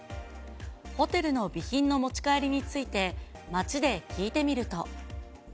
ホテルの備品の持ち帰りについて、街で聞いてみると。